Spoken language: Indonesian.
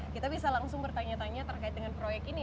kita bisa langsung bertanya tanya terkait dengan proyek ini